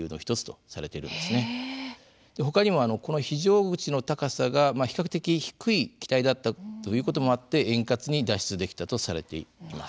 ほかにもこの非常口の高さが比較的低い機体だったということもあって円滑に脱出できたとされています。